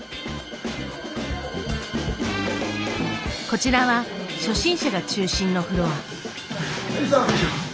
こちらは初心者が中心のフロア。